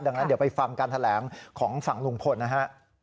ดังนั้นเดี๋ยวไปฟังการแถลงของฝั่งลุงพลนะฮะ